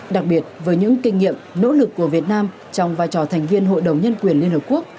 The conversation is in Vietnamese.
đặc biệt với những kinh nghiệm nỗ lực của việt nam trong vai trò thành viên hội đồng nhân quyền liên hợp quốc